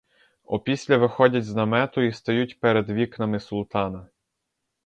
Опісля виходять з намету і стають перед вікнами султана.